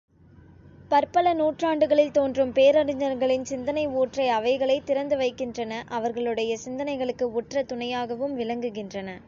பற்பல நூற்றாண்டுகளில் தோன்றும் பேரறிஞர்களின் சிந்தனை ஊற்றை அவைகளே திறந்து வைக்கின்றன அவர்களுடைய சிந்தனைகளுக்கு உற்ற துணையாகவும் விளங்குகின்றன.